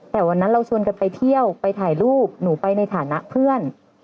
แต่วันนั้นเราชวนกันไปเที่ยวไปถ่ายรูปหนูไปในฐานะเพื่อน